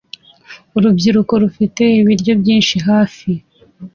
Urubyiruko rufite ibiryo byinshi hafi